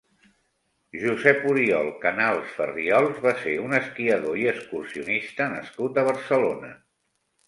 Josep Oriol Canals Farriols va ser un esquiador i excursionista nascut a Barcelona.